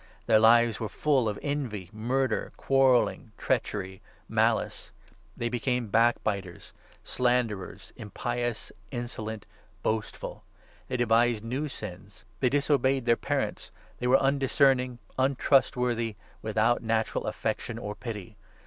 Their lives were full of envy, mur der, quarrelling, treachery, malice. They became back biters, 17 Hab. a. 4. 23 pa, 106, ,,,,. ROMANS, 1 2. 353 Slanderer's, impious, insolent, boastful. They devised new sins. They disobeyed their parents. They were undiscerning, 31 untrustworthy, without natural affection or pity.